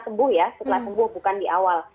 sembuh ya setelah sembuh bukan di awal